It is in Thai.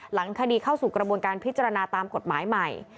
หลังคดีเข้าสู่กระบวนการพิจารณาตามกฎหมายใหม่